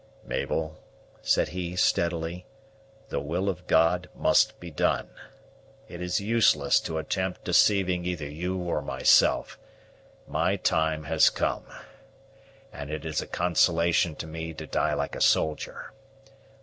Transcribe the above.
"Mabel," said he steadily, "the will of God must be done. It is useless to attempt deceiving either you or myself; my time has come, and it is a consolation to me to die like a soldier.